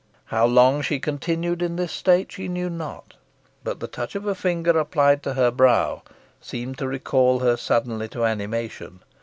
How long she continued in this state she knew not, but the touch of a finger applied to her brow seemed to recall her suddenly to animation.